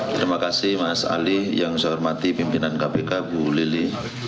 terima kasih mas ali yang saya hormati pimpinan kpk bu lili